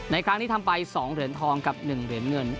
ในครั้งนี้ทำไป๒เหรียญทองกับ๑เหรียญเงิน